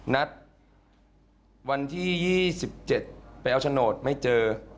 นัดวันที่๒๗ไปเอาโฉนดไม่เจอ